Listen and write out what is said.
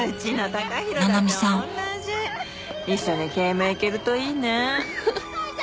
一緒に慶明行けるといいね。